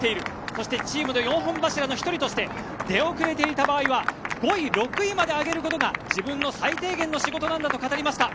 そしてチームの４本柱の１人として出遅れていた場合は５位、６位まで上げることが自分の最低限の仕事だと語りました。